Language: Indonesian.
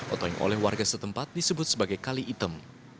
atau yang oleh warga setempat disebut sebagai kali item